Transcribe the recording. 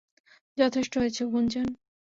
যথেষ্ট হয়েছে গুঞ্জন!